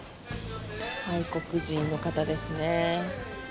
外国人の方ですね。